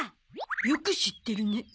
よく知ってるね。